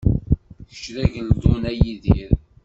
Kečč d ageldun, a Yidir.